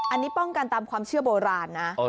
อันนี้ป้องกันตามความเชื่อโบราณนะ